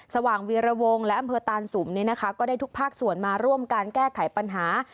สว่างวีรวงและอำเภอตานสุมเนี่ยนะคะก็ได้ทุกภาคส่วนมาร่วมการแก้ไขปัญหา